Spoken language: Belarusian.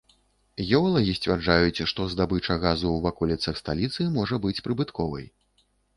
Геолагі сцвярджаюць, што здабыча газу ў ваколіцах сталіцы можа быць прыбытковай.